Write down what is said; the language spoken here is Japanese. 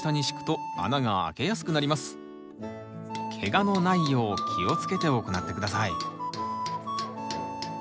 ケガのないよう気をつけて行って下さい。